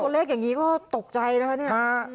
ตัวเลขอย่างนี้ก็ตกใจนะคะ